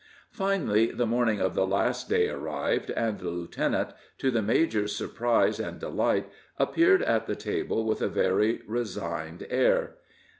Finally, the morning of the last day arrived, and the lieutenant, to the major's surprise and delight, appeared at the table with a very resigned air.